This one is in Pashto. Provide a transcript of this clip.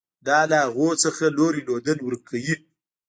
دا له هغوی څخه لوری لودن ورک کوي.